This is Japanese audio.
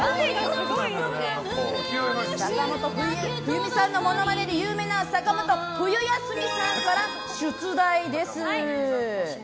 坂本冬美さんのモノマネで有名な坂本冬休みさんから出題です。